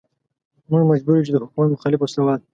موږ مجبور يو چې د حکومت مخالف وسله وال.